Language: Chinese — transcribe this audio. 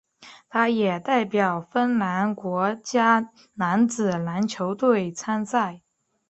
他也代表芬兰国家男子篮球队参赛。